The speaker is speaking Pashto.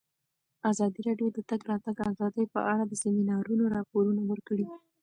ازادي راډیو د د تګ راتګ ازادي په اړه د سیمینارونو راپورونه ورکړي.